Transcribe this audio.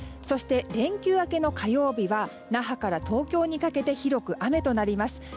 そして連休明けの火曜日は那覇から東京にかけて広く雨となります。